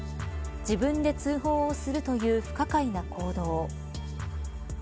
自分で通報するという不可解な行動。